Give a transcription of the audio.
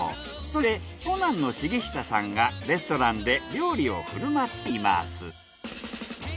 そして長男の栄久さんがレストランで料理を振舞っています。